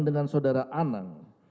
dengan saudara anang